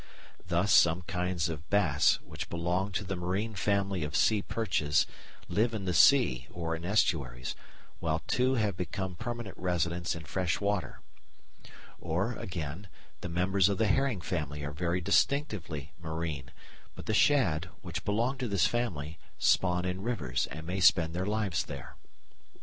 Thus some kinds of bass, which belong to the marine family of sea perches, live in the sea or in estuaries, while two have become permanent residents in fresh water. Or, again, the members of the herring family are very distinctively marine, but the shad, which belong to this family, spawn in rivers and may spend their lives there.